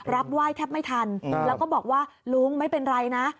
ไหว้แทบไม่ทันแล้วก็บอกว่าลุงไม่เป็นไรนะ